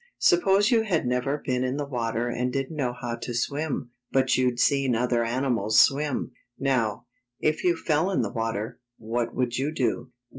Suppose you had never been in the water and didn't know how to swim, but you'd seen other animals swim. Now, if you fell in the water, what would you do?